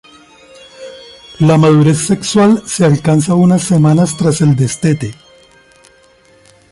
La madurez sexual se alcanza unas semanas tras el destete.